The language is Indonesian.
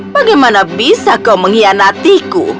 bagaimana kau bisa mengkhianatiku